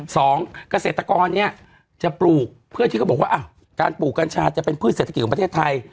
สองเกษตรกรเนี่ยจะปลูกเพื่อที่เขาบอกว่าการปลูกกัญชาจะเป็นพืชเศรษฐกิจของประเทศไทย